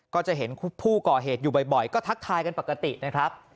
ก็จะเห็นผู้ก่อเหตุอยู่บ่อยก็ทักทายกันปกตินะครับ